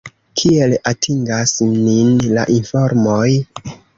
Kiel atingas nin la informoj?